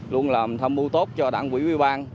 luôn làm thâm mưu tốt cho đảng quỹ ủy ban